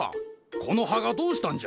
この葉がどうしたんじゃ？